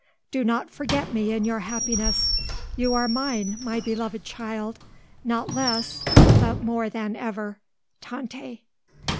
Do not forget me in your happiness. You are mine, my beloved child, not less but more than ever. Tante."